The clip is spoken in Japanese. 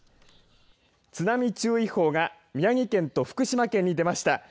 津波注意報は宮城県と福島県に出ました。